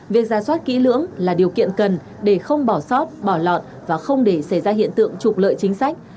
việc ra soát kỹ lưỡng là điều kiện cần để không bỏ sót bỏ lọt và không để xảy ra hiện tượng trục lợi chính sách